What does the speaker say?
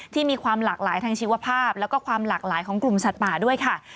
มีความหลากหลายทางชีวภาพแล้วก็ความหลากหลายของกลุ่มสัตว์ป่าด้วยค่ะ